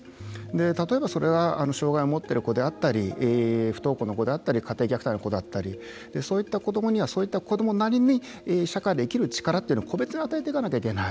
例えば、それが障害を持っている子であったり不登校の子であったり家庭虐待の子だったりそういった子どもにはそういった子どもなりに社会で生きる力というのを個別で与えなければいけない。